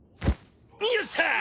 よっしゃあ！